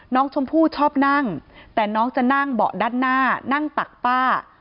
น้องชมพู่ชอบนั่งแต่น้องจะนั่งเบาะด้านหน้านั่งตักป้า